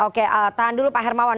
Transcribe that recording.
oke tahan dulu pak hermawan